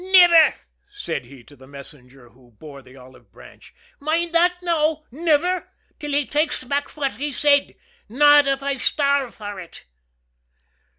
"Niver!" said he, to the messenger who bore the olive branch. "Mind thot, now! Niver till he takes back fwhat he said not av I starrve for ut!"